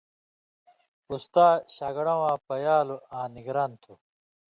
استا شاگڑہ واں پیالوۡ آں نگران تُھو